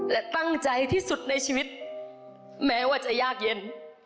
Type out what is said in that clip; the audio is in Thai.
และตั้งใจที่สุดในชีวิตแม้ว่าจะยากเย็น